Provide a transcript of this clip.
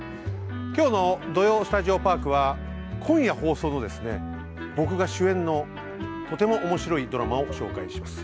きょうの「土曜スタジオパーク」は今夜放送のですね、僕が主演のとてもおもしろいドラマをご紹介します。